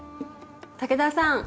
武田さん